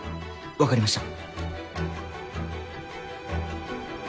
わかりました。